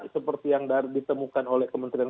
seperti yang ditemukan oleh kementerian